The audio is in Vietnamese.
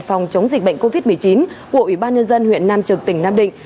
phòng chống dịch bệnh covid một mươi chín của ủy ban nhân dân huyện nam trực tỉnh nam định